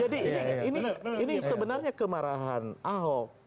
jadi ini sebenarnya kemarahan ahok